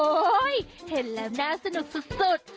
โห้ยเห็นแล้วหน้าสนุกสุด